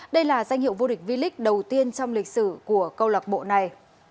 đây là danh hiệu vô địch v lic đầu tiên trong lịch sử của công lọc bộ này